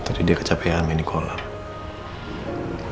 tapi dia kecapean ini kolam